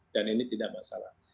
dan ini tidak masalah